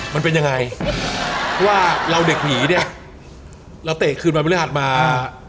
มันเป็นยังไงว่าเราเด็กหนีเนี่ยเราเตะคืนวันพฤหัสมา